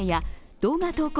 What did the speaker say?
動画投稿